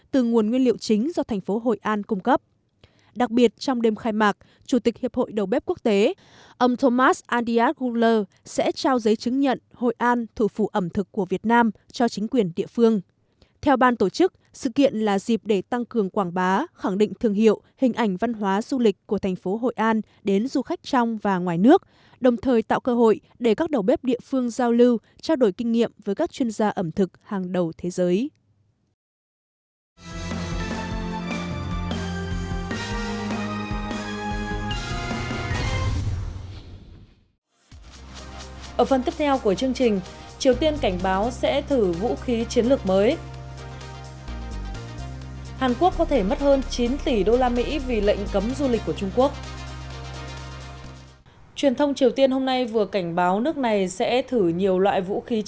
truyền thông triều tiên hôm nay vừa cảnh báo nước này sẽ thử nhiều loại vũ khí chiến lược mới